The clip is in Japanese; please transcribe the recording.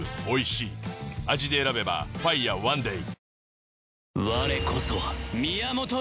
味で選べば「ＦＩＲＥＯＮＥＤＡＹ」